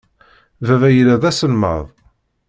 Baba yella d aselmad.